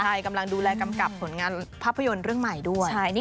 ใช่กำลังดูแลกำกับผลงานภาพยนตร์เรื่องใหม่ด้วย